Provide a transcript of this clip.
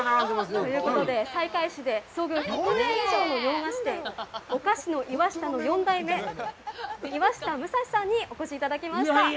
ということで、西海市で創業１００年以上の洋菓子店、お菓子のいわしたの４代目、岩下武士さんにお越しいただきました。